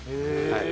はい。